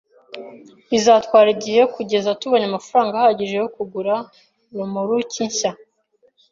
Bizatwara igihe kugeza tubonye amafaranga ahagije yo kugura romoruki nshya